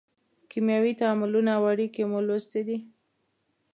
کیمیاوي تعاملونه او اړیکې مو لوستې دي.